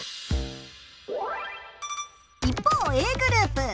一方Ａグループ。